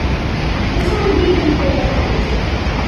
This only deepened the offence.